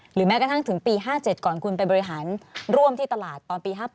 แม้กระทั่งถึงปี๕๗ก่อนคุณไปบริหารร่วมที่ตลาดตอนปี๕๘